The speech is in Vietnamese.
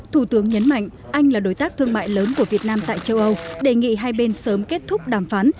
thủ tướng nhấn mạnh anh là đối tác thương mại lớn của việt nam tại châu âu đề nghị hai bên sớm kết thúc đàm phán